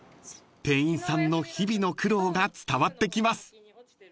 ［店員さんの日々の苦労が伝わってきます］